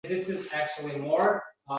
Odatdagidan chamasi to‘rt tyo balandroq.